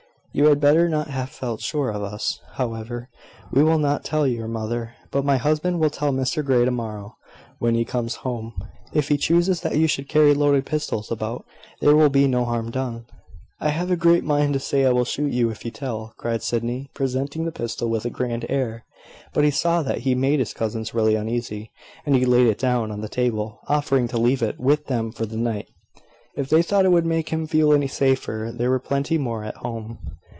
"You had better not have felt sure of us. However, we will not tell your mother; but my husband will tell Mr Grey to morrow, when he comes home. If he chooses that you should carry loaded pistols about, there will be no harm done." "I have a great mind to say I will shoot you if you tell," cried Sydney, presenting the pistol with a grand air. But he saw that he made his cousins really uneasy, and he laid it down on the table, offering to leave it with them for the night, if they thought it would make them feel any safer. There were plenty more at home.